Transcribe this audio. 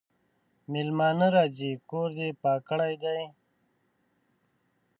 مېلمانه راځي کور دي پاک کړی دی؟